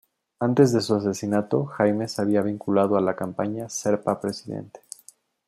Antes de su asesinato, Jaime se había vinculado a la Campaña "Serpa Presidente".